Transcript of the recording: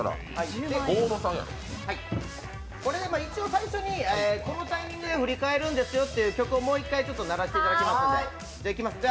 最初に、このタイミングで振り返るんですよという曲をもう１回ちょっと流していただきますので。